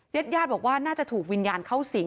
ญาติญาติบอกว่าน่าจะถูกวิญญาณเข้าสิง